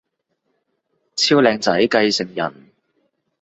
超靚仔繼承人